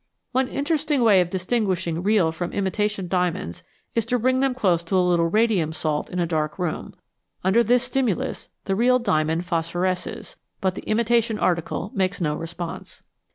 One interesting way of distinguishing real from imitation diamonds is to bring them close to a little radium salt in a dark room ; under this stimulus the real diamond phosphoresces, but the imitation article makes no re sponse.